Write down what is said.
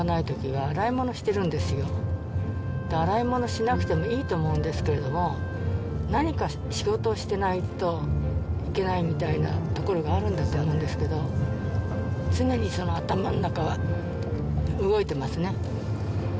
洗い物しなくてもいいと思うんですけれども、何か仕事してないといけないみたいなところがあるんだと思うんですけど、常にその頭の中は動いてますね。